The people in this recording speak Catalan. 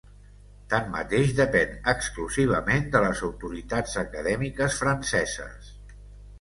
Tanmateix, depèn exclusivament de les autoritats acadèmiques franceses.